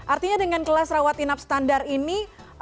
artinya dengan kelas rawat inap standar ini